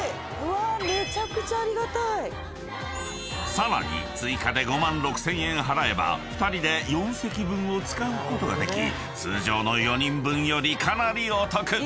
［さらに追加で５万６，０００円払えば２人で４席分を使うことができ通常の４人分よりかなりお得！］